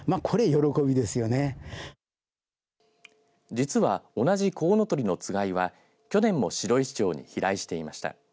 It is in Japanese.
実は同じこうのとりのつがいは去年も白石町に飛来していました。